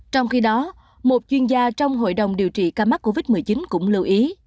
trong khi đó một chuyên gia trong hội đồng điều trị ca mắc covid một mươi chín cũng lưu ý